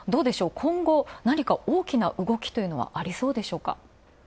今後何か大きな動きというのはありそうでしょうか。